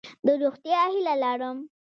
د روغتیا هیله لرم.